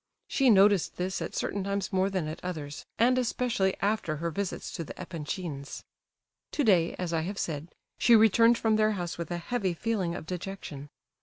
She noticed this at certain times more than at others, and especially after her visits to the Epanchins. Today, as I have said, she returned from their house with a heavy feeling of dejection.